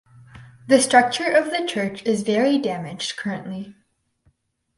The structure of the church is very damaged currently.